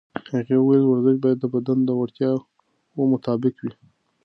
هغې وویل ورزش باید د بدن د وړتیاوو مطابق وي.